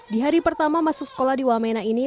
di hari pertama masuk sekolah di wamena ini